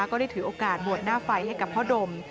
ก็ได้ถือโอกาสบวชหน้าไฟให้กับพ่อดม